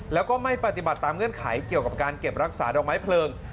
แล้วก็ไม่ปฏิบัติตามเงื่อนไขเกี่ยวกับการเก็บรักษาดอกไม้เพลิง